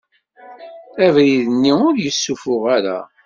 Abrid-nni ur yessufuɣ ara.